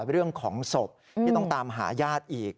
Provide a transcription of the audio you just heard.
เรื่องของศพที่ต้องตามหาญาติอีก